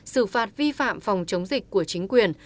xử phạt vi phạm phòng chống dịch của chính quyền